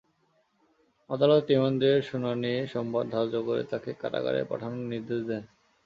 আদালত রিমান্ডের শুনানি সোমবার ধার্য করে তাঁকে কারাগারে পাঠানোর নির্দেশ দেন।